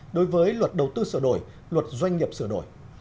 đối với luật đầu tư sửa đổi luật doanh nghiệp sửa đổi